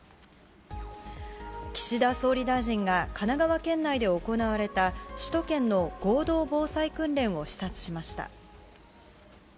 岸田総理大臣が神奈川県内で行われた首都圏の合同防災訓練を視察しました。